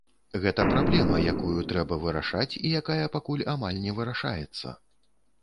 Гэта праблема, якую трэба вырашаць, і якая пакуль амаль не вырашаецца.